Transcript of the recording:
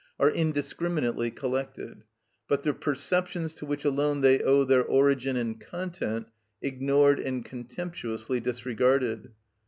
are indiscriminately collected, but the perceptions to which alone they owe their origin and content ignored and contemptuously disregarded.